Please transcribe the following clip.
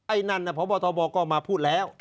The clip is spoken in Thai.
ไอ้นั่นน่ะพระบทบอกก็มาพูดแล้ว